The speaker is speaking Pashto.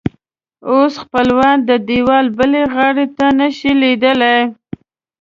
اوس خپلوان د دیوال بلې غاړې ته نه شي لیدلی.